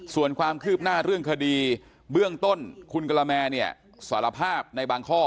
ส่วนความคืบหน้าเรื่องคดีเบื้องต้นคุณกะละแมเนี่ยสารภาพในบางข้อ